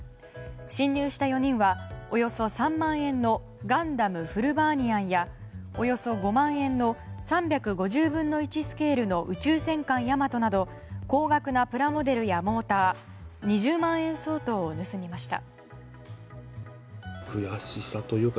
侵入した４人は、およそ３万円のガンダムフルバーニアンやおよそ５万円の３５０分の１スケールの「宇宙戦艦ヤマト」など高額なプラモデルやモーター２０万円相当を盗みました。